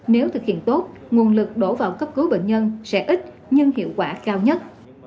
nếu thực hiện tốt nguồn lực đổ vào cấp cứu bệnh nhân sẽ ít nhưng hiệu quả cao nhất